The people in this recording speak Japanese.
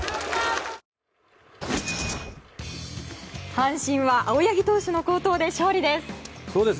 阪神は青柳投手の好投で勝利です。